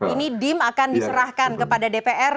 ini dim akan diserahkan kepada dpr